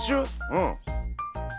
うん。